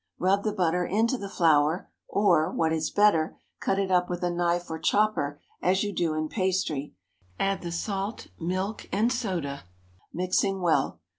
Rub the butter into the flour, or, what is better, cut it up with a knife or chopper, as you do in pastry; add the salt, milk, and soda, mixing well.